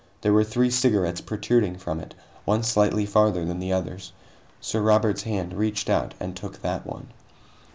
There were three cigarettes protruding from it, one slightly farther than the others. Sir Robert's hand reached out and took that one.